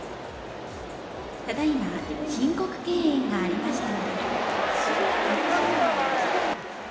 ただいま申告敬遠がありました。